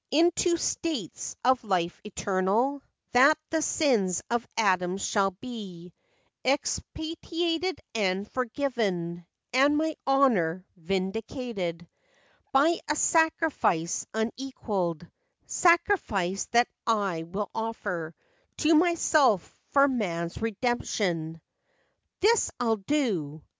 Into states of life eternal; That the sins of Adam shall be Expiated and forgiven, And my honor vindicated By a sacrifice unequaled— Sacrifice that I will offer To myself for man's redemption. "This I'll do.